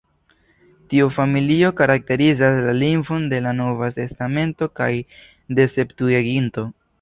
Tiu familio karakterizas la lingvon de la Nova Testamento kaj de Septuaginto.